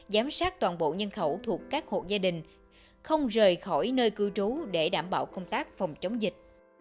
giám sát toàn bộ nhân khẩu thuộc các hộ gia đình không rời khỏi nơi cư trú để đảm bảo công tác phòng chống dịch